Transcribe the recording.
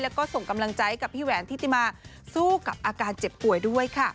แล้วก็ส่งกำลังใจกับพี่แหวนทิติมาสู้กับอาการเจ็บป่วยด้วยค่ะ